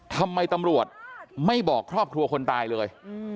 ทำไมตำรวจไม่บอกครอบครัวคนตายเลย